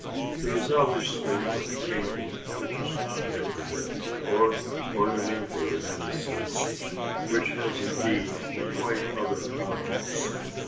There is obviously much painting which is not decorative, or ornamental in any sense, which has indeed quite other objects.